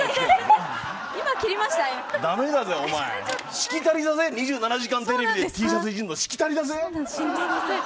しきたりだぜ２７時間テレビでＴシャツいじるのしきたりだぜ。